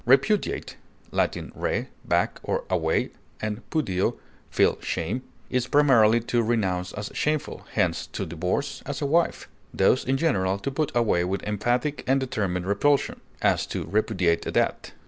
Repudiate (L. re, back, or away, and pudeo, feel shame) is primarily to renounce as shameful, hence to divorce, as a wife; thus in general to put away with emphatic and determined repulsion; as, to repudiate a debt.